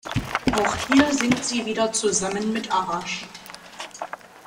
Auch hier singt sie wieder zusammen mit Arash.